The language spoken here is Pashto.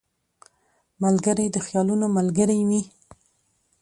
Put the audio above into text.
ملګری د خیالونو ملګری وي